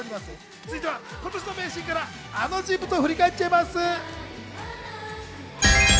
続いては今年の名シーンからあの人物を振り返っちゃいます。